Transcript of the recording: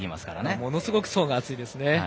ものすごく層が厚いですね。